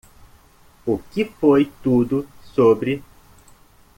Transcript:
O que foi tudo sobre?